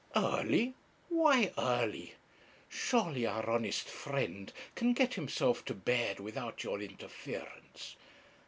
'Early why early? surely our honest friend can get himself to bed without your interference.